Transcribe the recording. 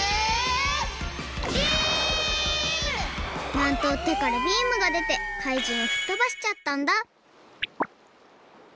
なんとてからビームがでてかいじんをふっとばしちゃったんだ！